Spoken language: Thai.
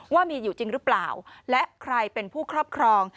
ว่ามีอยู่จริงหรือเปล่าและใครเป็นผู้ครอบครอง